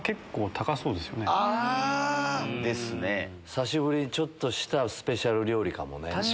久しぶりにちょっとしたスペシャル料理かもね。